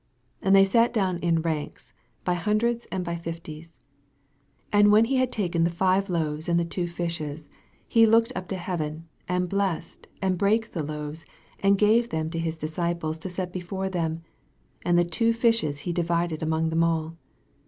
40 And they sat down in ranks, by hundreds, and by fifties. 41 And when he had taken tlie five loaves and the two fishes, he looked up to heaven, and blessed, and brake the loaves, and gave them to his disci ples to set before them ; and the two fishes divided he among them all.